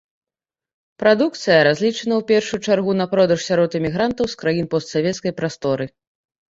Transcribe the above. Прадукцыя разлічана ў першую чаргу на продаж сярод імігрантаў з краін постсавецкай прасторы.